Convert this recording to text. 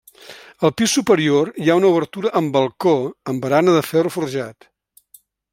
Al pis superior hi ha una obertura amb balcó amb barana de ferro forjat.